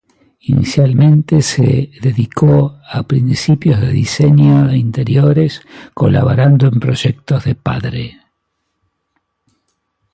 Inicialmente se dedicó a principios de diseño de interiores, colaborando en proyectos de padre.